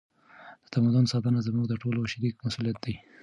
د تمدن ساتنه زموږ د ټولو شریک مسؤلیت دی.